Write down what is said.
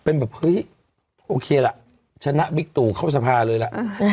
โอเคละชนะวิกตุเข้าสะพาเลยล่ะ